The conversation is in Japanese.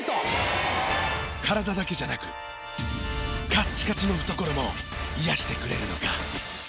体だけじゃなくカッチカチの懐も癒やしてくれるのか？